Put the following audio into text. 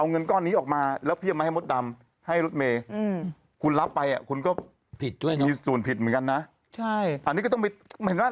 อันนี้มันเอามาผิดด้วยไม่ใช่เงินของตัวเอง